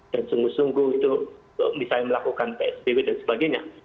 dan sungguh sungguh itu misalnya melakukan psbw dan sebagainya